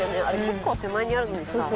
あれ結構手前にあるのにさ。